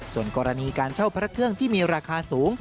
ส่วนกรณีการเช่าพระเครื่องที่มีราคาสูง